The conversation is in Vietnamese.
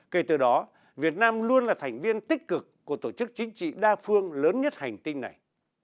kể từ đó việt nam luôn là thành viên tích cực của tổ chức chính trị đa phương lớn nhất hành tinh này